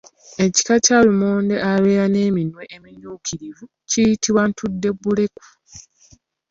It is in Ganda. Ekika kya lumonde abeera n’eminwe emimyukirivu kiyitibwa ntuddebuleku.